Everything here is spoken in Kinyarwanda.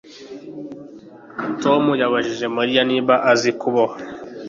Tom yabajije Mariya niba azi kuboha